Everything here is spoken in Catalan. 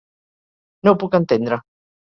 No ho puc entendre